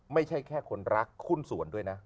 ไม่ใช่แค่คนรักหุ้นส่วนด้วยนะ